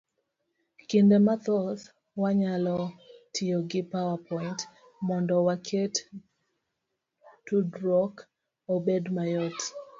Kinde mathoth wanyalo tiyo gi power point, mondo waket tudruok obed mayot.